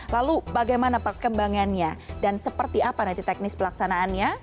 lalu bagaimana perkembangannya dan seperti apa nanti teknis pelaksanaannya